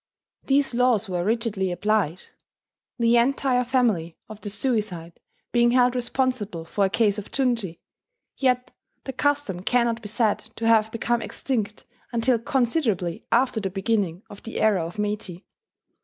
These laws were rigidly applied, the entire family of the suicide being held responsible for a case of junshi: yet the custom cannot be said to have become extinct until considerably after the beginning of the era of Meiji.